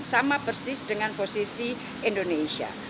sama persis dengan posisi indonesia